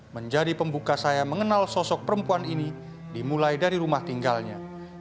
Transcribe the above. menjadi pembuka saya mengenal sosok perempuan ini dimulai dari rumah tinggalnya